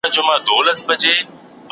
ټولنیز نظم د ګډو اصولو پرته نه دوام کوي.